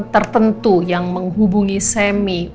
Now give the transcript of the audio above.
tertentu yang menghubungi semi apa yang akan diperlukan